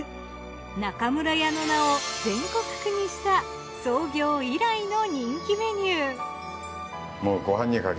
中村家の名を全国区にした創業以来の人気メニュー。